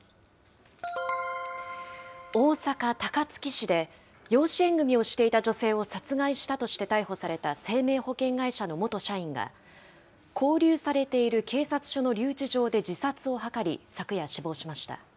大阪・高槻市で、養子縁組みをしていた女性を殺害したとして逮捕された生命保険会社の元社員が、勾留されている警察署の留置場で自殺を図り、昨夜死亡しました。